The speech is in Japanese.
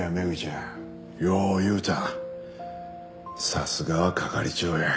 さすがは係長や。